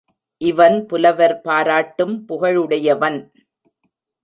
இவன் புலவர் பாராட்டும் புகழுடையவன்.